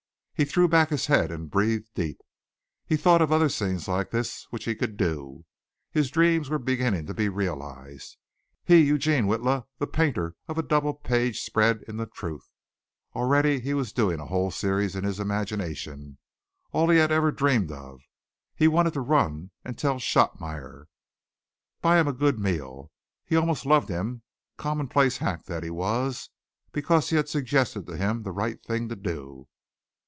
He threw back his head and breathed deep. He thought of other scenes like this which he could do. His dreams were beginning to be realized he, Eugene Witla, the painter of a double page spread in Truth! Already he was doing a whole series in his imagination, all he had ever dreamed of. He wanted to run and tell Shotmeyer to buy him a good meal. He almost loved him, commonplace hack that he was because he had suggested to him the right thing to do.